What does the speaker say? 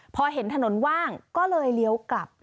พอเห็นถนนว่างก็เลยเลี้ยวกลับ